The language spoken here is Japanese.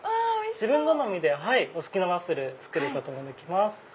自分好みでお好きなワッフル作ることもできます。